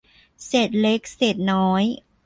เศษเล็กเศษน้อย